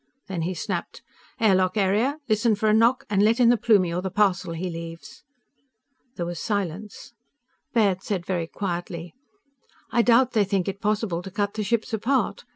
_" Then he snapped: "Air lock area, listen for a knock, and let in the Plumie or the parcel he leaves." There was silence. Baird said very quietly: "I doubt they think it possible to cut the ships apart.